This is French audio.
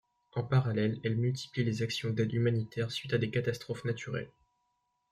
En parallèle, elle multiplie les actions d’aides humanitaires suite à des catastrophes naturelles.